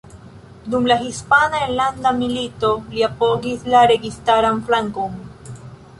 Dum la Hispana Enlanda Milito li apogis la registaran flankon.